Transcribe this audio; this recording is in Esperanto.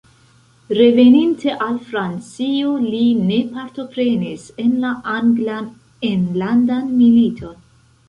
Reveninte al Francio li ne partoprenis en la Anglan enlandan militon.